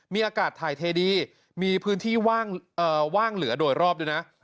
มีอากาศถ่ายเทดีมีพื้นที่ว่างเหลือโดยรอบด้วยนะ